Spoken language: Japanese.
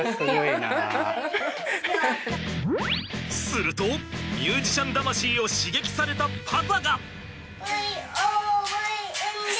するとミュージシャン魂を刺激されたパパが。